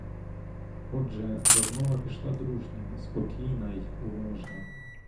Отже, розмова пішла дружня, спокійна й уважна.